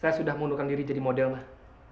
saya sudah mundurkan diri jadi model mah